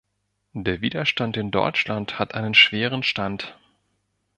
Der Widerstand in Deutschland hat einen schweren Stand.